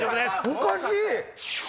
おかしい！